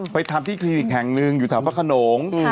ไปทำที่คลินิกแห่งนึงอยู่ถ้าพระขนง